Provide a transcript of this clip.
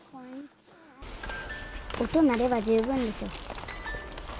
音鳴れば十分でしょ。